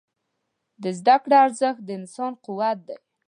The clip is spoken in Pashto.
د زده کړې ارزښت د انسان قوت دی.